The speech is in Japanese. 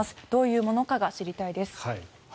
どういうものかが知りたいです。